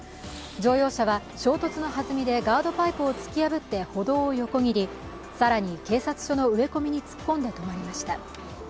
乗用車は衝突のはずみでガードパイプを突き破って歩道を横切り、更に警察署の植え込みに突っ込んで止まりました。